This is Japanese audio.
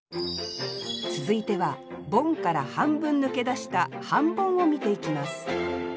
続いてはボンから半分抜け出した半ボンを見ていきます